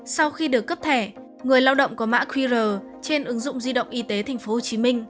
sau khi được cấp thẻ người lao động có mã qr trên ứng dụng di động y tế tp hcm